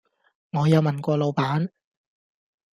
我有問過老闆